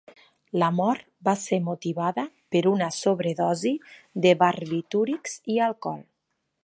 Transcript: La mort va ser motivada per una sobredosi de barbitúrics i alcohol.